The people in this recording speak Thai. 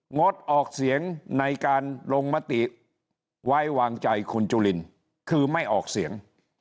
งดออกเสียงในการลงมติไว้วางใจคุณจุลินคือไม่ออกเสียง